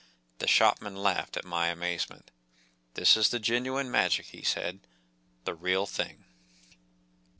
The shopman laughed at my amaze nent. “ This is the genuine magic,” he said. “The real thing.